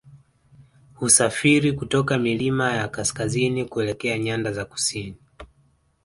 Husafiri kutoka milima ya kaskazini kuelekea nyanda za kusini